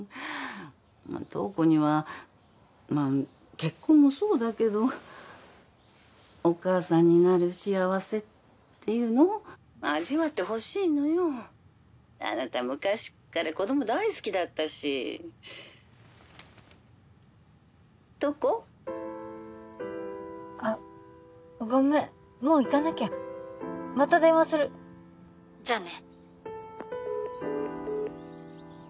まあ瞳子にはまあ結婚もそうだけどお母さんになる幸せっていうの☎味わってほしいのよ☎あなた昔っから子ども大好きだったし☎瞳子？あごめんもう行かなきゃまた電話するじゃあね